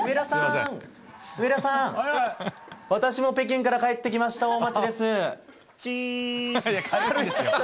寒い北京から帰ってきました。